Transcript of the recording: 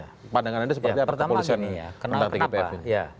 ya pertama gini ya kenapa kenapa